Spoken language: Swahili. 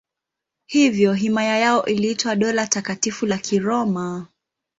Hivyo himaya yao iliitwa Dola Takatifu la Kiroma.